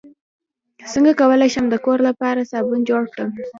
څنګه کولی شم د کور لپاره صابن جوړ کړم